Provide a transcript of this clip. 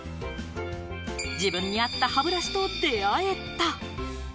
自分に合った歯ブラシとであえた。